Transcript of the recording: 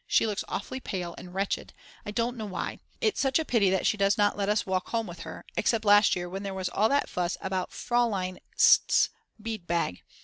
She looks awfully pale and wretched, I don't know why; it's such a pity that she does not let us walk home with her, except last year when there was all that fuss about Fraulein St.'s bead bag.